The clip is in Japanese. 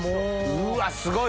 うわすごい！